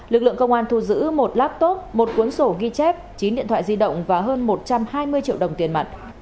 lực lượng công an thu giữ một laptop một cuốn sổ ghi chép chín điện thoại di động và hơn một trăm hai mươi triệu đồng tiền mặt